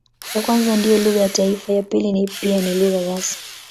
Ya kwanza ndiyo lugha ya taifa, ya pili ni pia lugha rasmi.